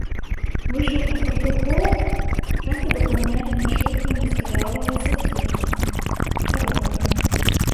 Вышыўку фартухоў часта дапаўнялі нашыўкамі з каляровага саціну, карункамі.